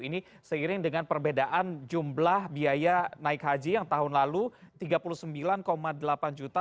ini seiring dengan perbedaan jumlah biaya naik haji yang tahun lalu rp tiga puluh sembilan delapan juta